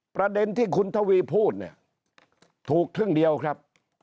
ประเด็นที่คุณทวีพูดเนี่ยถูกครึ่งเดียวครับ